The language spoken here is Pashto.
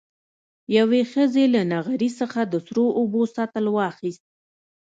يوې ښځې له نغري څخه د سرو اوبو سطل واخېست.